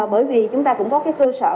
bởi vì chúng ta cũng có cái cơ sở